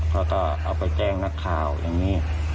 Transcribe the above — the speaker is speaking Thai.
เขาก็เอาไปแจ้งนักข่าวอย่างนี้